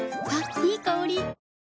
いい香り。